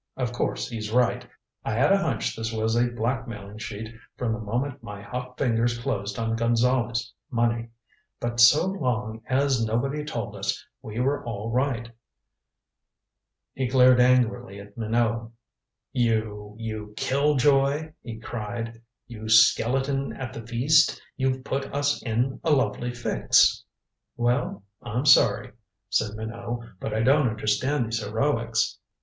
Of course he's right. I had a hunch this was a blackmailing sheet from the moment my hot fingers closed on Gonzale's money. But so long as nobody told us, we were all right." He glared angrily at Minot. "You you killjoy," he cried. "You skeleton at the feast. You've put us in a lovely fix." "Well, I'm sorry," said Minot, "but I don't understand these heroics."